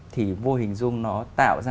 thì vô hình dung nó tạo ra